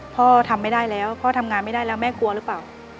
ทำไม่ได้แล้วพ่อทำงานไม่ได้แล้วแม่กลัวหรือเปล่า